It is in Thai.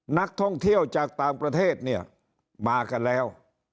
นักท่องเที่ยวจากต่างประเทศเนี่ยมากันแล้ว